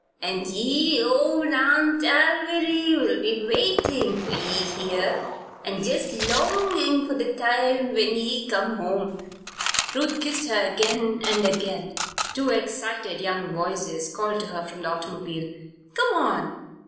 And yer old A'nt Alviry'll be waitin' for ye here, an' jest longin' for the time when ye come home." Ruth kissed her again and again. Two excited young voices called to her from the automobile. "Come on!